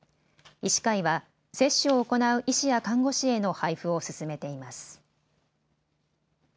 医師会は接種を行う医師や看護師への配付を進めています。